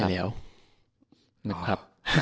ใช่แล้วนะครับ